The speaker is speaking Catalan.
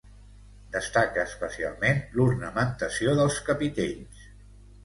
Destaca especialment l'ornamentació dels capitells.